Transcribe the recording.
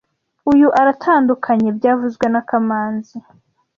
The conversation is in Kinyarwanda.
Uyu aratandukanye byavuzwe na kamanzi